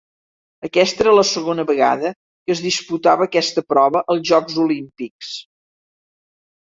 Aquesta era la segona vegada que es disputava aquesta prova als Jocs Olímpics.